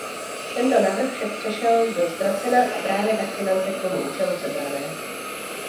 Tento návrh však přešel do ztracena a právě tak finance k tomu účelu sebrané.